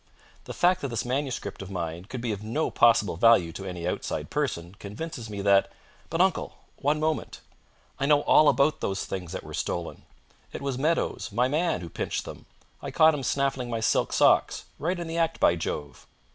The fact that this manuscript of mine could be of no possible value to any outside person convinces me that " "But, uncle, one moment; I know all about those things that were stolen. It was Meadowes, my man, who pinched them. I caught him snaffling my silk socks. Right in the act, by Jove!"